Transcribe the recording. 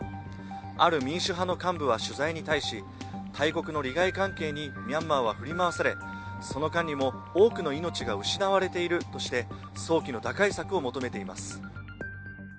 ある民主派の幹部は取材に対し、大国の利害関係にミャンマーは振り回され、その間にも多くの命が失われているとして早期の打開策を求めています。